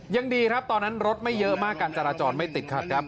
ยังดีครับตอนนั้นรถไม่เยอะมากการจราจรไม่ติดขัดครับ